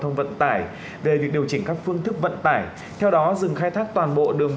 thông vận tải về việc điều chỉnh các phương thức vận tải theo đó dừng khai thác toàn bộ đường